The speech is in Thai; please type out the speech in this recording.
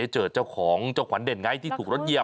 เจ้าขวัญเด่นแหง๊ที่ถูกรถเหยียบ